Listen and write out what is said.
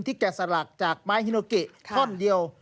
แกะสลักจากไม้ฮิโนกิท่อนเดียว